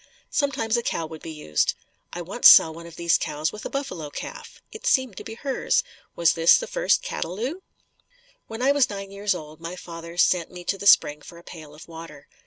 Sometimes a cow would be used. I once saw one of these cows with a buffalo calf. It seemed to be hers. Was this the first Cataloo? When I was nine years old my father sent me to the spring for a pail of water.